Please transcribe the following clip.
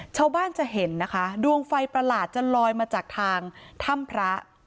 ชาวบ้านจะเห็นนะคะดวงไฟประหลาดจะลอยมาจากทางถ้ำพระ